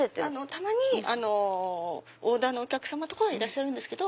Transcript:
たまにオーダーのお客さまとかはいらっしゃるんですけど。